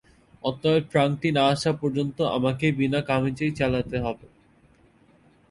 অতএব ট্রাঙ্কটি না আসা পর্যন্ত আমাকে বিনা কামিজেই চালাতে হবে।